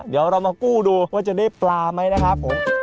เดี๋ยวเรามากู้ดูว่าจะได้ปลาไหมนะครับผม